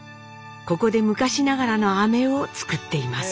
ここで昔ながらのあめを作っています。